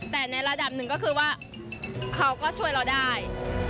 แต่ในระดับหนึ่งก็คือว่าเขาก็ช่วยเราได้